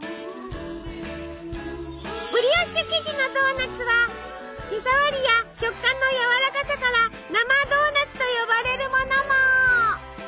ブリオッシュ生地のドーナツは手触りや食感のやわらかさから生ドーナツと呼ばれるものも。